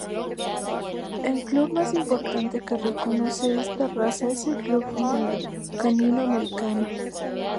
El club más importante que reconoce esta raza es el Club Híbrido Canino Americano.